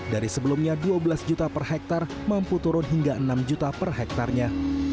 dari sebelumnya dua belas juta per hektare mampu turun hingga enam juta per hektarnya